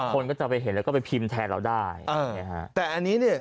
คนก็จะไปเห็นแล้วก็ไปพิมพ์แทนเราได้